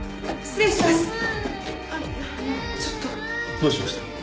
どうしました？